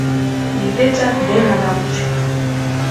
Niretzat dena da musika.